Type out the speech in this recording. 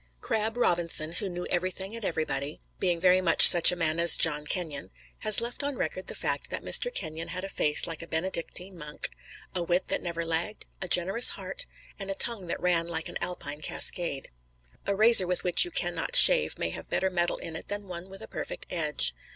Crabb Robinson, who knew everything and everybody, being very much such a man as John Kenyon, has left on record the fact that Mr. Kenyon had a face like a Benedictine monk, a wit that never lagged, a generous heart, and a tongue that ran like an Alpine cascade. A razor with which you can not shave may have better metal in it than one with a perfect edge.